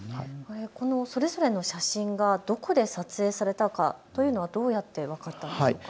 それぞれの写真がどこで撮影されたかというのはどうやって分かったのでしょうか。